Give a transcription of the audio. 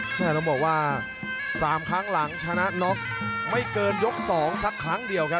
ต้องบอกว่า๓ครั้งหลังชนะน็อกไม่เกินยก๒สักครั้งเดียวครับ